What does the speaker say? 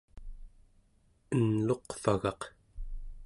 enluqvagaq